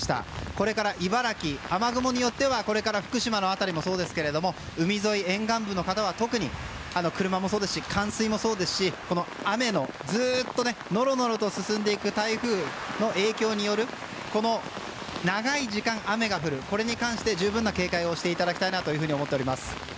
これから茨城、雨雲によってはこれから福島の辺りもそうですが沿岸部の方々は特に車もそうですし冠水もそうですしずっとのろのろと進んでいく台風の影響による長い時間雨が降ることに関して十分な警戒をしていただきたいと思います。